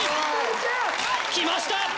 きました！